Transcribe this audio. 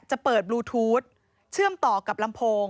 จะเปิดบลูทูธเชื่อมต่อกับลำโพง